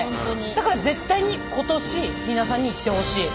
だから絶対に今年皆さんに行ってほしい。